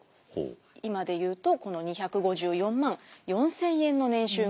今で言うとこの２５４万４，０００円の年収がありました。